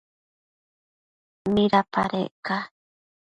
¿midapadec ca?